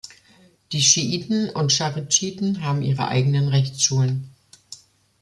Die Schiiten und Charidschiten haben ihre eigenen Rechtsschulen.